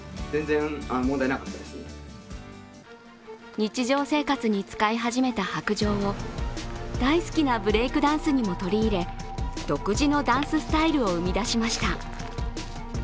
日常生活に使い始めた白杖を大好きなブレイクダンスにも取り入れ独自のダンススタイルを生み出しました。